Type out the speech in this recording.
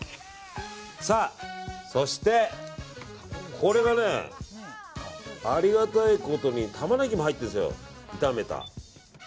さあ、そしてこれがありがたいことにタマネギも入ってるんですよ炒めた。